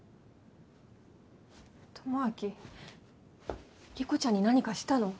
智明理子ちゃんに何かしたの？